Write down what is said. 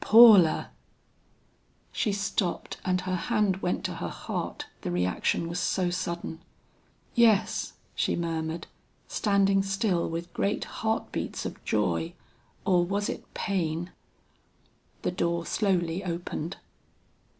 "Paula!" She stopped and her hand went to her heart, the reaction was so sudden. "Yes," she murmured, standing still with great heart beats of joy, or was it pain? The door slowly opened.